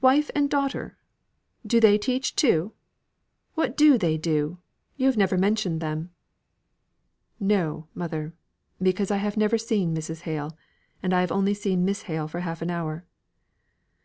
"Wife and daughter! Do they teach too? What do they do? You have never mentioned them." "No! mother, because I have never seen Mrs. Hale; I have only seen Miss Hale for half an hour."